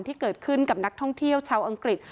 ที่เกิดขึ้นกับนักท่องเที่ยวชาวอังกฤษ